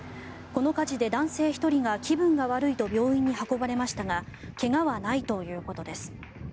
この火事で男性１人が気分が悪いと病院に運ばれましたが怪我はないということです。